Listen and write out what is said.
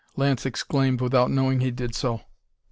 Lance exclaimed without knowing he did so.